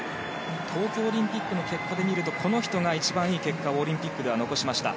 東京オリンピックの結果で見るとこの人が一番いい結果をオリンピックでは残しました。